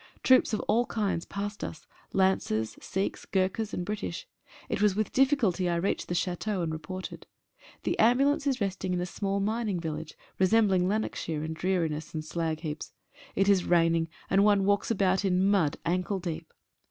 Troops of all kinds passed us — Lancers, Sikhs, Gurkhas, and British. It was with difficulty I reached the Chateau, and reported. The ambulance is resting in a small mining village, resemb ling Lanarkshire in dreariness and slagheaps. It is rain ing, and one walks about in mud ankle deep.